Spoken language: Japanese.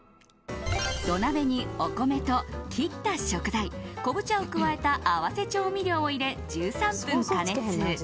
土鍋にお米と、切った食材昆布茶を加えた合わせ調味料を入れ１３分加熱。